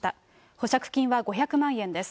保釈金は５００万円です。